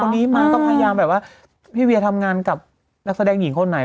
ตอนนี้มาก็พยายามแบบว่าพี่เวียทำงานกับนักแสดงหญิงคนไหน